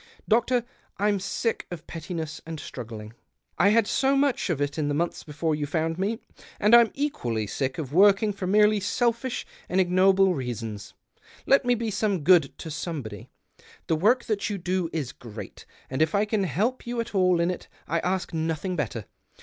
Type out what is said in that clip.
Doctor, I'm sick of pettiness and struggling ; I had so much of it in the months before you found me, and I'm equally sick of working for merely selfish and ignoble reasons. Let me be some good to somebody. The work that you do is great, and if I can help you at all in it I ask nothing better.